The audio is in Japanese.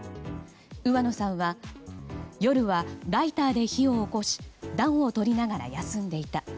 上野さんは夜はライターで火をおこし暖をとりながら休んでいた。